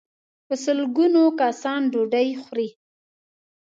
په سل ګونو کسان ډوډۍ خوري.